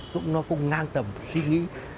cũng nó cũng ngang tầm suy nghĩ